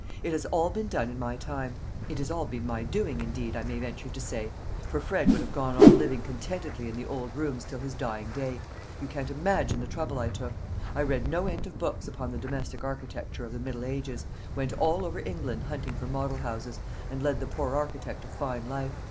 It has all been done in my time it has all been my doing, indeed, I may venture to say; for Fred would have gone on living contentedly in the old rooms till his dying day. You can't imagine the trouble I took. I read no end of books upon the domestic architecture of the middle ages, went all over England hunting for model houses, and led the poor architect a fine life.